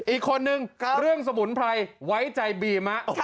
อีกคนนึงเรื่องสมุนไพรไว้ใจบีมะ